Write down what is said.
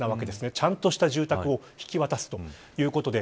ちゃんとした住宅を引き渡すということで。